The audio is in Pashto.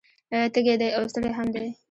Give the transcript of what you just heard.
تږی دی او ستړی هم دی